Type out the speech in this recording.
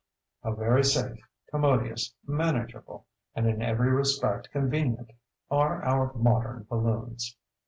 How very safe, commodious, manageable, and in every respect convenient are our modern balloons!